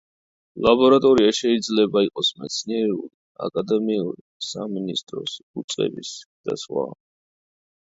ლაბორატორია შეიძლება იყოს მეცნიერული, აკადემიური, სამინისტროს, უწყების და სხვა.